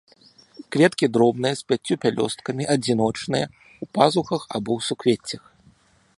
Кветкі дробныя, з пяццю пялёсткамі, адзіночныя, у пазухах або ў суквеццях.